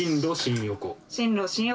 進路新横。